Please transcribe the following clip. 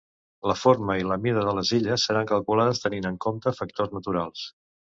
La forma i la mida de les illes seran calculades tenint en compte factors naturals.